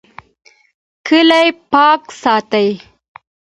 کلی پاک ساتئ